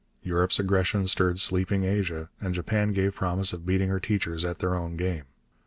Europe's aggression stirred sleeping Asia, and Japan gave promise of beating her teachers at their own game.